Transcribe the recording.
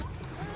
oh terima kasih